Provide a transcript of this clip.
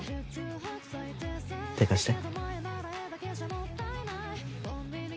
手貸して。